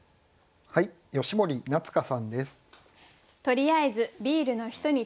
吉森夏香さんです。